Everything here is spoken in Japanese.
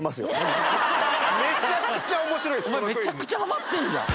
お前めちゃくちゃハマってんじゃん。